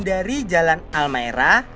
dari jalan almeira